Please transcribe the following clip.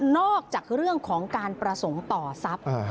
นอกจากเรื่องของการประสงค์ต่อทรัพย์